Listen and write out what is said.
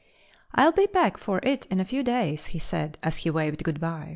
"I'll be back for it in a few days," he said, as he waved good by.